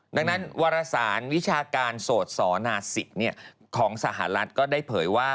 ดังนั้นวารสารวิชาการโสดสอนาศิกของสหรัฐก็ได้เผยว่า